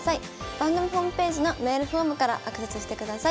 番組ホームページのメールフォームからアクセスしてください。